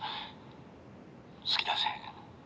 す好きだぜ！